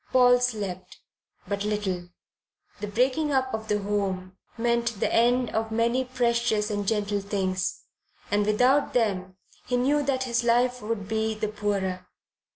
Paul slept but little. The breaking up of the home meant the end of many precious and gentle things, and without them he knew that his life would be the poorer.